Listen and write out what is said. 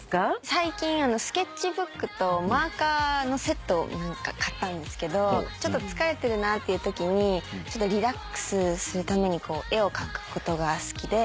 最近スケッチブックとマーカーのセットを買ったんですけどちょっと疲れてるなっていうときにリラックスするために絵を描くことが好きで。